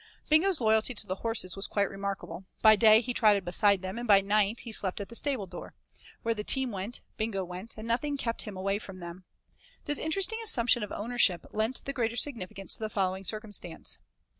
III Bingo's loyalty to the horses was quite remarkable; by day he trotted beside them, and by night he slept at the stable door. Where the team went Bingo went, and nothing kept him away from them. This interesting assumption of ownership lent the greater significance to the following circumstance.